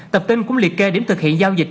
tập tin cũng liệt kê điểm thực hiện giao dịch